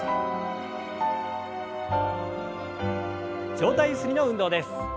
上体ゆすりの運動です。